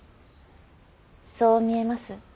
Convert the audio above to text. そう見えます？